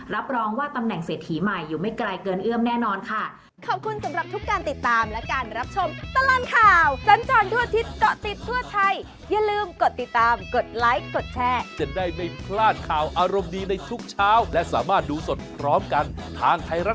รับรองว่าตำแหน่งเศรษฐีใหม่อยู่ไม่ไกลเกินเอื้อมแน่นอนค่ะ